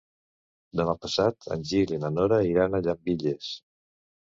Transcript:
Demà passat en Gil i na Nora iran a Llambilles.